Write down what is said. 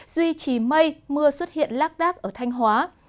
duy trì mây mưa xuất hiện lác đác ở thanh hóa